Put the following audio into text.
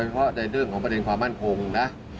เพราะในเรื่องของประเด็นความมั่นคงนะ